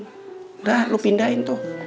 udah lu pindahin tuh